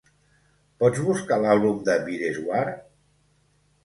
Pots buscar l'àlbum de Bireswar?